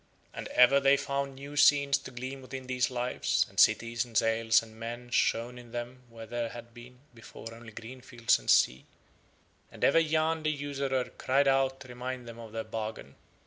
And ever they found new scenes to gleam within these Lives, and cities and sails and men shone in them where there had been before only green fields and sea, and ever Yahn the usurer cried out to remind them of their bargain.